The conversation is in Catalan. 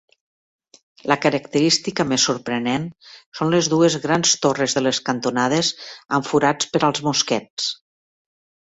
La característica més sorprenent són les dues grans torres de les cantonades amb forats per als mosquets.